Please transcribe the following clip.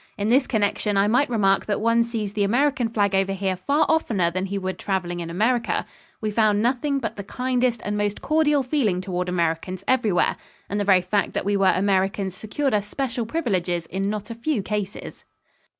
In this connection I might remark that one sees the American flag over here far oftener than he would traveling in America. We found nothing but the kindest and most cordial feeling toward Americans everywhere; and the very fact that we were Americans secured us special privileges in not a few cases.